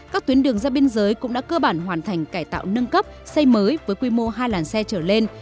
các tuyến đường ra biên giới cũng đã cơ bản hoàn thành cải tạo nâng cấp xây mới với quy mô hai làn xe trở lên